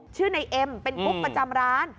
ชื่อในเอ็มเป็นกุ๊กประจำร้าน